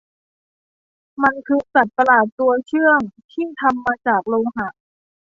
มันคือสัตว์ประหลาดตัวเขื่องที่ทำมาจากโลหะ